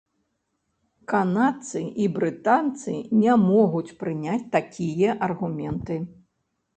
Канадцы і брытанцы не могуць прыняць такія аргументы.